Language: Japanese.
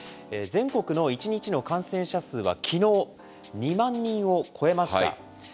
全国の１日の感染者数はきのう、２万人を超えました。